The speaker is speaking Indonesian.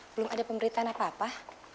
belum ada pemberitaan apa apa